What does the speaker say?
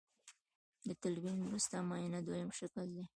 د تلوین وروسته معاینه دویم شکل دی.